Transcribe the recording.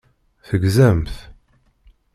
Tegzamt?